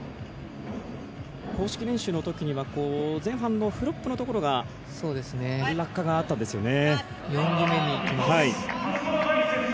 公式練習の時には前半のフロップのところが落下があったんですよね。